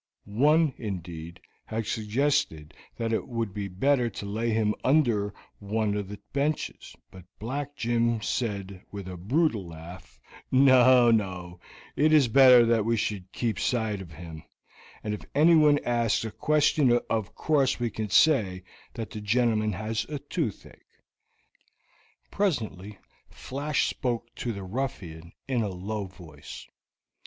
One, indeed, had suggested that it would be better to lay him under one of the benches, but Black Jim said, with a brutal laugh: "No, no; it is better that we should keep sight of him, and if anyone asks a question of course we can say that the gentleman has the toothache." Presently Flash spoke to the ruffian in a low voice.